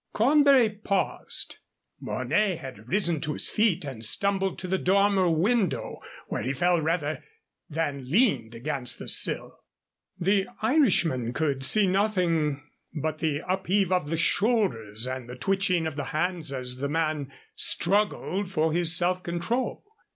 Cornbury paused. Mornay had arisen to his feet and stumbled to the dormer window, where he fell rather than leaned against the sill. The Irishman could see nothing but the upheave of the shoulders and the twitching of the hands as the man straggled for his self control.